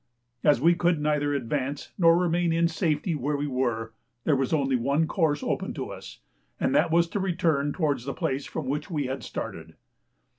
As we could neither advance nor remain in safety where we were, there was only one course open to us, and that was to return towards the place from which we had started.